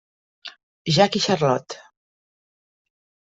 Jack i Charlotte.